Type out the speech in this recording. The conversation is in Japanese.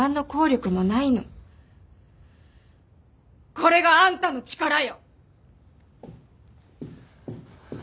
これがあんたの力よ。